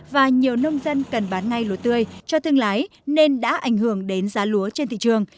và nhiều nông dân cần bán ngay lúa tươi cho thương lái nên đã ảnh hưởng đến giá lúa trên thị trường